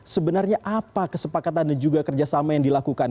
sebenarnya apa kesepakatan dan juga kerjasama yang dilakukan